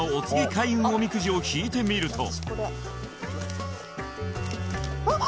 開運おみくじを引いてみるとあっ！